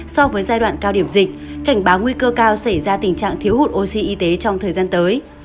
so với giai đoạn cao điểm dịch cảnh báo nguy cơ cao xảy ra tình trạng thiếu hụt oxy y tế trong thời gian tới